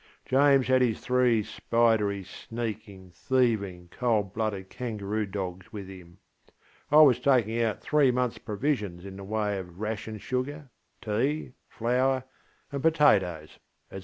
James had his three spidery, sneaking, thieving, cold blooded kangaroo dogs with him. I was taking out three monthsŌĆÖ provisions in the way of ration sugar, tea, flour, and potatoes, &c.